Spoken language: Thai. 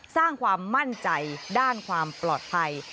สร้างความมั่นใจด้านความปลอดภัย